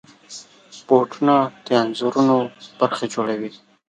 بوټونه د انځورونو برخه جوړوي.